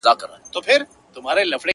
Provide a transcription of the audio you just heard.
یوه خبره به ډیره واضح درته ولیکم